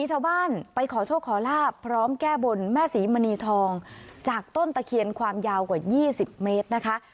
ชาวบ้านไปขอโชคขอลาบพร้อมแก้บนแม่ศรีมณีทองจากต้นตะเคียนความยาวกว่า๒๐เมตรนะคะ